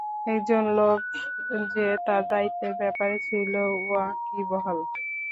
একজন লোক যে তার দায়িত্বের ব্যাপারে ছিল ওয়াকিবহাল।